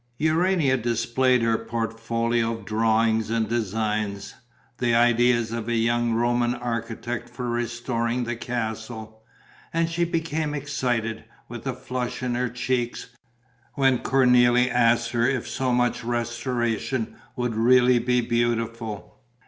Urania displayed her portfolio of drawings and designs: the ideas of a young Roman architect for restoring the castle. And she became excited, with a flush in her cheeks, when Cornélie asked her if so much restoration would really be beautiful.